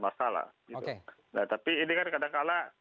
masalah tapi ini kan kadangkala